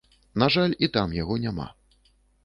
На жаль, і там яго няма.